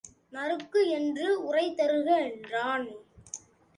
நறுக்கு என்று உரை தருக என்றான்.